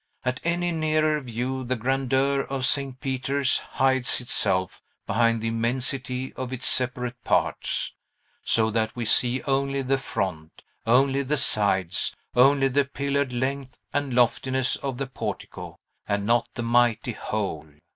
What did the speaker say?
At any nearer view the grandeur of St. Peter's hides itself behind the immensity of its separate parts, so that we see only the front, only the sides, only the pillared length and loftiness of the portico, and not the mighty whole.